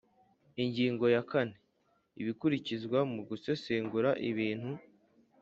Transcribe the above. Ingingo ya kane Ibikurikizwa mu gusesengura ibintu